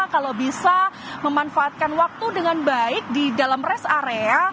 kalau bisa memanfaatkan waktu dengan baik di dalam rest area